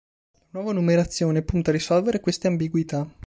La nuova numerazione punta a risolvere queste ambiguità.